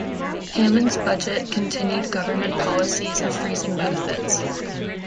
Hammond's budget continued government policies of freezing benefits.